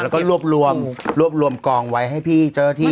ก็รวบรวมกลองไว้ให้พี่เจอที่